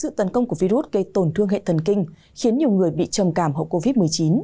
sự tấn công của virus gây tổn thương hệ thần kinh khiến nhiều người bị trầm cảm hậu covid một mươi chín